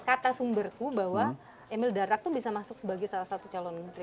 kata sumberku bahwa emil dardak tuh bisa masuk sebagai salah satu calon menteri